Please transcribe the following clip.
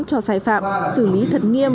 cho sai phạm xử lý thật nghiêm